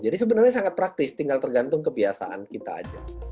jadi sebenarnya sangat praktis tinggal tergantung kebiasaan kita aja